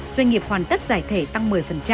doanh nghiệp hoàn tất giải thể tăng một mươi